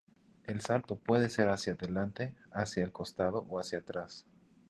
El salto puede ser hacia adelante, hacia el costado o hacia atrás.